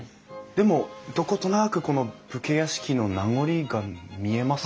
でもどことなくこの武家屋敷の名残が見えますよね。